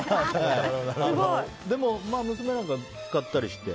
でも、娘なんかは使ったりして。